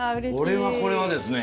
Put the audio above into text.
これはこれはですね。